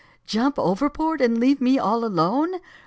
jump overboard, and leave me all alone!"